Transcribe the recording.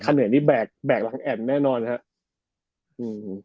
ค่าเหนื่อยนี่แบกหลังแอ่มแน่นอนนะครับ